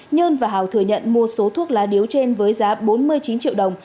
nhơn và hào thừa nhận mua số thuốc lá điếu trên với giá bốn mươi chín triệu đồng